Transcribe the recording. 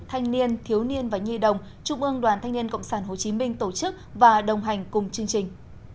thanh niên thiếu niên và nhi đồng trung ương đoàn thanh niên cộng sản hồ chí minh tổ chức và đồng hành cùng chương trình